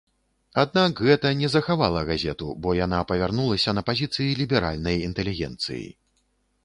Аднак, гэта не захавала газету, бо яна павярнулася на пазіцыі ліберальнай інтэлігенцыі.